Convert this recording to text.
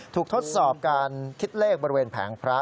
ทดสอบการคิดเลขบริเวณแผงพระ